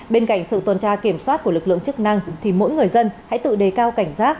bên cạnh sự tuần tra kiểm soát của lực lượng chức năng thì mỗi người dân hãy tự đề cao cảnh giác